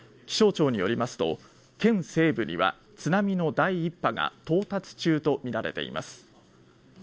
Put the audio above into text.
気象庁によりますと、県西部には津波の第一波が到達中とみられています。